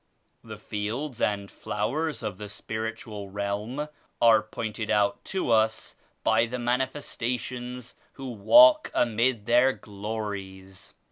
The fields and flowers of the Spiritual Realm are pointed out to us by the Manifesta tions who walk amid their glories.